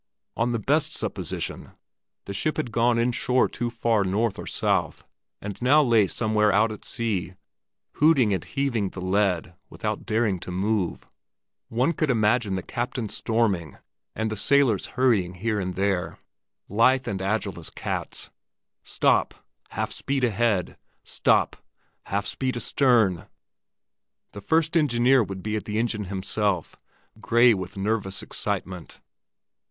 On the best supposition the ship had gone inshore too far north or south, and now lay somewhere out at sea hooting and heaving the lead, without daring to move. One could imagine the captain storming and the sailors hurrying here and there, lithe and agile as cats. Stop!—Half speed ahead! Stop!—Half speed astern! The first engineer would be at the engine himself, gray with nervous excitement.